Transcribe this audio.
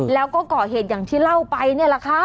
แล้วก็ก่อเหตุอย่างที่เล่าไปนี่แหละค่ะ